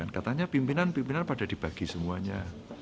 katanya pimpinan pimpinan pada dibagi semuanya